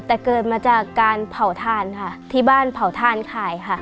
แต่เกิดมาจากการเผาทานค่ะที่บ้านเผาทานขายค่ะ